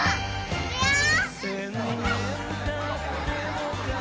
いくよー！